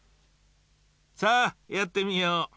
さあやってみよう。